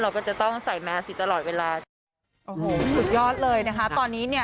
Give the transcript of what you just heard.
เราก็จะต้องใส่แมสสิตลอดเวลาโอ้โหสุดยอดเลยนะคะตอนนี้เนี่ย